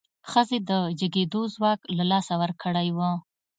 ښځې د جګېدو ځواک له لاسه ورکړی و.